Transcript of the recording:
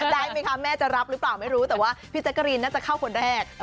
ได้ไหมคะแม่จะรับหรือเปล่าไม่รู้แต่ว่าพี่แจ๊กกะรีนน่าจะเข้าคนแรก